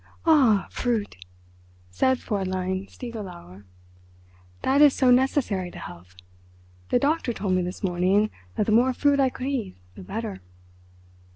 "Ah, fruit!" said Fräulein Stiegelauer, "that is so necessary to health. The doctor told me this morning that the more fruit I could eat the better."